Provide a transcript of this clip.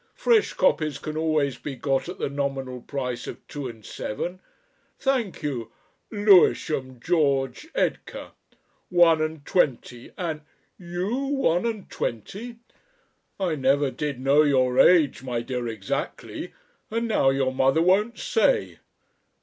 Fresh copies can always be got at the nominal price of two and seven. Thank you ... Lewisham, George Edgar. One and twenty. And ... You one and twenty! I never did know your age, my dear, exactly, and now your mother won't say.